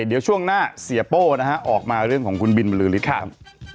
เดี๋ยวช่วงหน้าเสียโป้นะฮะออกมาเรื่องของคุณบินบรือฤทธิ์ครับ